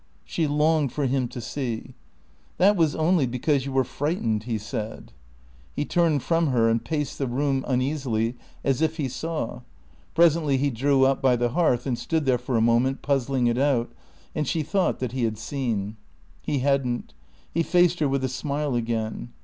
She longed for him to see. "That was only because you were frightened," he said. He turned from her and paced the room uneasily, as if he saw. Presently he drew up by the hearth and stood there for a moment, puzzling it out; and she thought that he had seen. He hadn't. He faced her with a smile again.